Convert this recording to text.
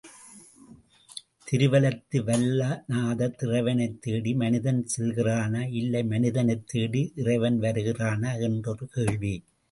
திருவலத்து வல்லநாதர் இறைவனைத் தேடி மனிதன் செல்கிறானா, இல்லை மனிதனைத் தேடி இறைவன் வருகிறானா என்று ஒரு கேள்வி.